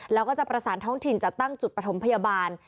แล้วก็จะประสานท้องถิ่นจัดตั้งจุดประถมพยาบาล